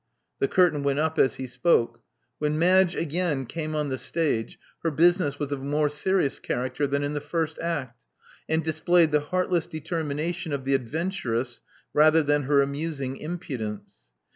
The curtain went up as he spoke. When Madge again came on the stage, her business was of a more serious character than in the first act, and displayed the heartless determination of the adventuress rather than her amusing impudence.